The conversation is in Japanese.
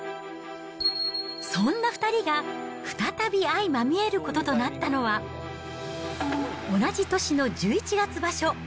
そんな２人が再び相まみえることとなったのは、同じ年の１１月場所。